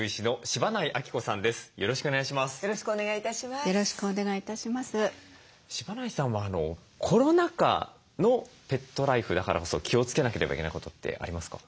柴内さんはコロナ禍のペットライフだからこそ気をつけなければいけないことってありますか？